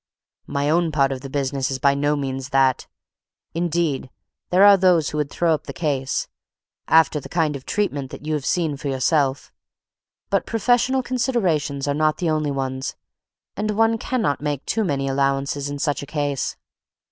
My own part of the business is by no means that; indeed, there are those who would throw up the case, after the kind of treatment that you have seen for yourself. But professional considerations are not the only ones, and one cannot make too many allowances in such a case."